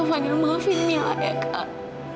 enggak fadil maafin mila ya kak